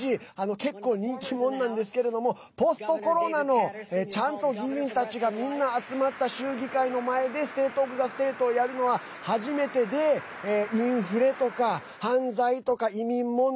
結構、人気者なんですけれどもポストコロナのちゃんと、議員たちがみんな集まった州議会の前でＴｈｅＳｔａｔｅｏｆｔｈｅＳｔａｔｅをやるのは初めてでインフレとか犯罪とか移民問題